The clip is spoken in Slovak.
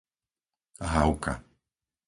Havka